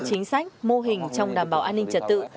chính sách mô hình trong đảm bảo an ninh trật tự